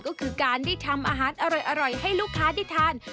ก็คือการได้ทำอาหารอร่อยให้ลูกค้าได้ทาน